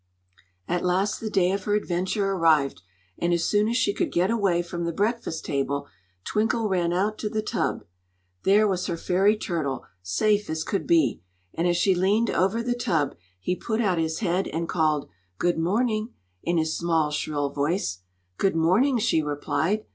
At last the day of her adventure arrived, and as soon as she could get away from the breakfast table Twinkle ran out to the tub. There was her fairy turtle, safe as could be, and as she leaned over the tub he put out his head and called "Good morning!" in his small, shrill voice. "Good morning," she replied.